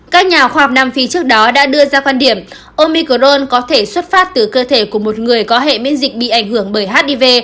các nhà khoa học nam phi trước đó đã đưa ra quan điểm omicrone có thể xuất phát từ cơ thể của một người có hệ miễn dịch bị ảnh hưởng bởi hiv